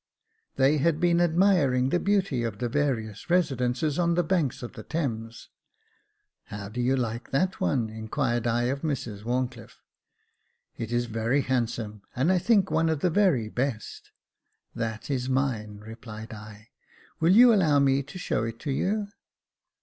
They had been admiring the beauty of the various residences on the banks of the Thames. "How do you like that one?" inquired I of Mrs WharncliiFe. "It is very handsome, and I think one of the very best." "That is mine," replied I. "Will you allow me to show it to you